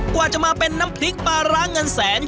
กว่าจะมาเป็นน้ำพริกปลาร้าเงินแสน